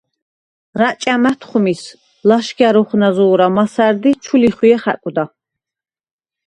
რაჭა̈ მათხვმის ლაშგა̈რ ოხვნა̈ზო̄რა მასა̈რდ ი ჩუ ლიხვიე ხა̈კვდა.